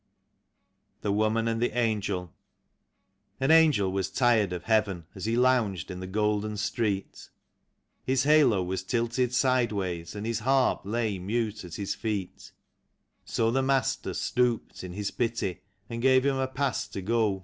70 THE WOMAN AND THE ANGEL. An angel was tired of heaven, as he lounged in the golden street; His halo was tilted sideways, and his harp lay mute at his feet; So the Master stooped in His pity, and gave him a pass to go.